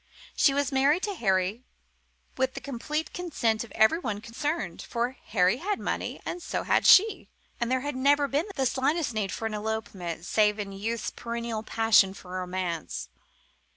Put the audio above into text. She was married to Harry, with the complete consent of everyone concerned, for Harry had money, and so had she, and there had never been the slightest need for an elopement, save in youth's perennial passion for romance.